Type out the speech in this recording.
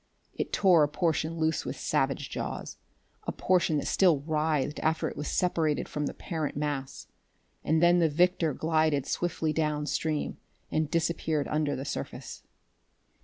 It tore a portion loose with savage jaws, a portion that still writhed after it was separated from the parent mass; and then the victor glided swiftly downstream, and disappeared under the surface....